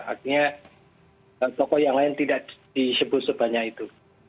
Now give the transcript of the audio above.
artinya tokoh yang lain tidak disebut sebanyak itu